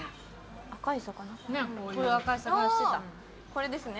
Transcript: これですね。